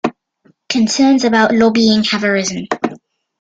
Concerns about lobbying have arisen.